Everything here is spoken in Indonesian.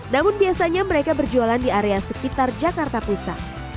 namun biasanya mereka berjualan di area sekitar jakarta pusat